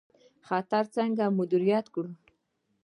خطر څنګه مدیریت کړو؟